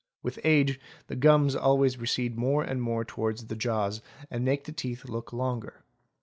With age, the gums always recede more and more towards the jaws and make the teeth look longer.